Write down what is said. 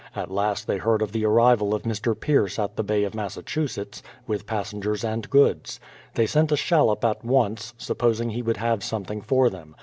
At last they heard of the arrival of Mr. Pierce at the Bay of Massachusetts, with passengers and goods. They sent a shallop at once, supposing he would have some thing for them.